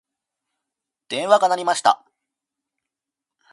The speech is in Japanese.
電話が鳴りました。